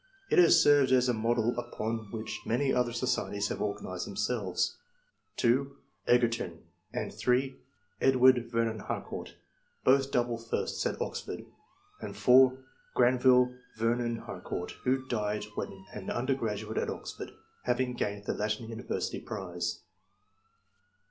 It has served as a model upon which many other societies have organized themselves. (2) Egerton; and (3) Edward Vernon Harcourt, both double firsts at Oxford; and (4) Granville Vernon Harcourt, who died I.] ANTECEDENTS. 51 when an undergraduate at Oxford, having gained the Latin university prize.